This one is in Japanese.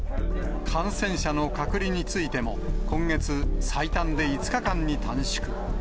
感染者の隔離についても、今月、最短で５日間に短縮。